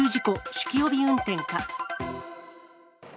酒気帯び運転か。